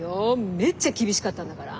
めちゃ厳しかったんだから。